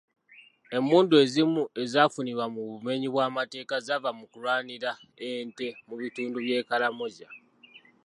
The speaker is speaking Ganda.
Emmundu ezimu ezaafunibwa mu bumebyi bw'amateeka zaava mu kulwanira ente mu bitundu by'e Karamoja.